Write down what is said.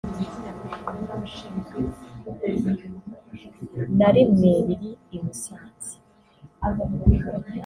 na rimwe riri i Musanze